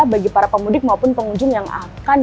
bagi para pemudik maupun pengunjung yang akan